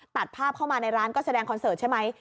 ตัดภาพเข้ามาในร้านก็แสดงคอนเสิร์ตใช่ไหม